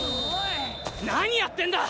何やってんだ！